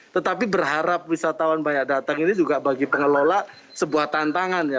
tetapi berharap wisatawan banyak datang ini juga bagi pengelola sebuah tantangan ya